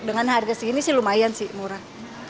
dengan harga segini sih lumayan sih murah